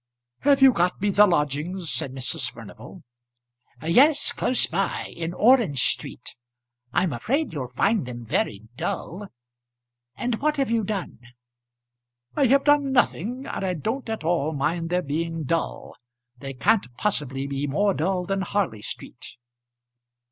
"Have you got me the lodgings?" said Mrs. Furnival. "Yes, close by; in Orange Street. I'm afraid you'll find them very dull. And what have you done?" "I have done nothing, and I don't at all mind their being dull. They can't possibly be more dull than Harley Street."